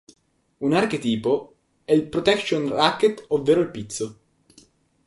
Un archetipo è il protection racket, ovvero il pizzo.